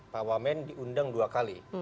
pak wamen diundang dua kali